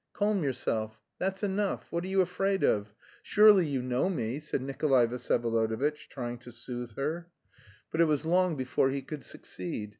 "Calm yourself. That's enough. What are you afraid of? Surely you know me?" said Nikolay Vsyevolodovitch, trying to soothe her; but it was long before he could succeed.